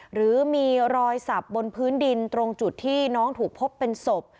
หรือมีรอยสับบนพื้นดินตรงจุดที่น้องถูกพบเป็นศพ